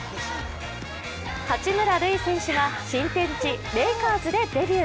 八村塁選手が新天地・レイカーズでデビュー。